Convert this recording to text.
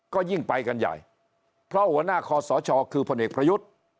ก็ยิ่งไปกันใหญ่เพราะหัวหน้าคอสชคือพลเอกประยุทธ์